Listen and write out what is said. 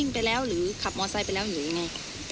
วิ่งไปแล้วหรือขับมอเซ็ตไปแล้วหรือไง